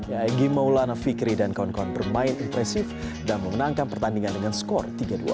yagi maulana fikri dan konkon bermain impresif dan memenangkan pertandingan dengan skor tiga dua